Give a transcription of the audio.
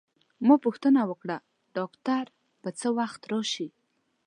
ما پوښتنه وکړه: ډاکټر به څه وخت راشي؟